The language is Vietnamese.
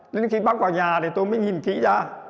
lúc khi bác vào nhà tôi mới nhìn kỹ ra